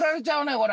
これ。